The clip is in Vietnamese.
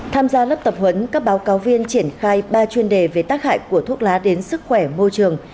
tham gia lớp tập huấn các báo cáo viên triển khai ba chuyên đề về tác hại của thuốc lá đến sức khỏe môi trường